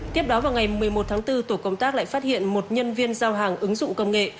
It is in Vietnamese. tiếp đó vào ngày một mươi một tháng bốn tổ công tác lại phát hiện một nhân viên giao hàng ứng dụng công nghệ